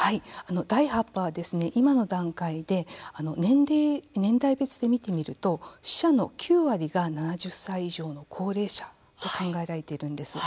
第８波は、今の段階で年代別で見てみると死者の９割が７０歳以上の高齢者と考えられているんです。